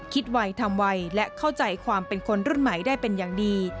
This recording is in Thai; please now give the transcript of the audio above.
ไวทำไวและเข้าใจความเป็นคนรุ่นใหม่ได้เป็นอย่างดี